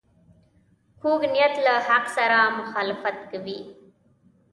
کوږ نیت له حق سره مخالفت کوي